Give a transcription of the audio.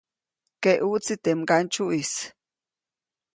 Keʼuʼtsi teʼ mgandsyuʼis.